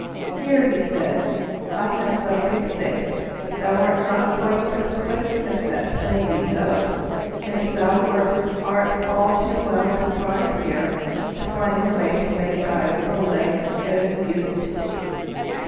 "Here," said he, "I have something safe; thou art not quite so swift as that plaguing goat; and if thou wert, art too well confined here to find the way to make thy little legs any use to thee."